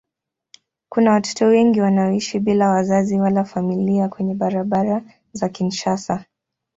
Kuna watoto wengi wanaoishi bila wazazi wala familia kwenye barabara za Kinshasa.